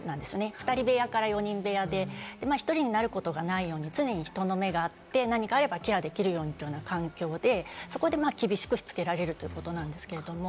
２人部屋から４人部屋で、１人になることがないように常に人の目があって、何かあればケアできるようにという環境で、そこで厳しくしつけられるということなんですけれども。